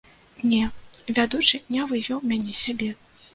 Не, вядучы не вывеў мяне з сябе.